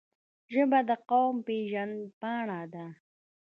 ژبه د قوم پېژند پاڼه ده